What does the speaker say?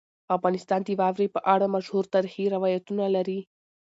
افغانستان د واورې په اړه مشهور تاریخي روایتونه لري.